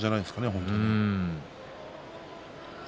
本当に。